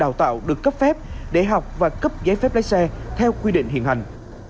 các trung tâm đào tạo được cấp phép để học và cấp giấy phép lái xe theo quy định hiện hành